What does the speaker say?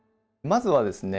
まずはですね